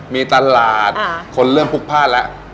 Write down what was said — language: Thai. มีตลาดคนเริ่มพลุกพลาดแล้ว